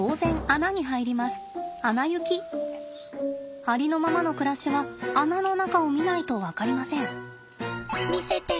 ありのままの暮らしは穴の中を見ないと分かりません。